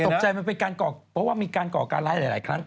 มันเป็นการก่อเพราะว่ามีการก่อการร้ายหลายครั้ง